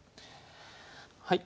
はい。